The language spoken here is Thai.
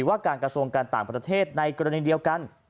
ว่าการกระทรวงการต่างประเทศในกรณีเดียวกัน